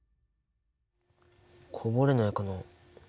こぼれないかな。